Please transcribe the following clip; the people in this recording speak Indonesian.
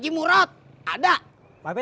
ya sama sama ini wajar